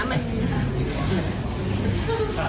มัน